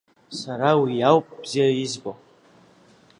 Сара уи иауп бзиа избо!